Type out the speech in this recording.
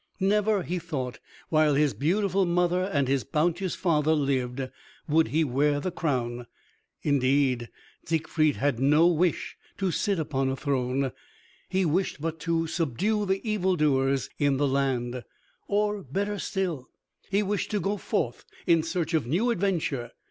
Never, he thought while his beautiful mother and his bounteous father lived, would he wear the crown. Indeed Siegfried had no wish to sit upon a throne, he wished but to subdue the evil doers in the land. Or better still, he wished to go forth in search of new adventure.